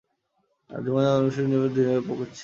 জুমা-জামে মসজিদ নির্মাণ দীর্ঘ প্রক্রিয়া ছিল।